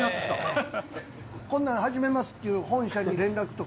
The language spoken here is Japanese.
「こんなん始めます」っていう本社に連絡とかは？